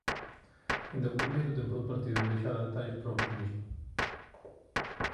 Aínda que o primeiro tempo do partido deixara detalles para o optimismo.